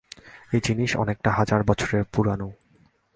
এই জিনিস অনেকটা হাজার বছরের পুরানো।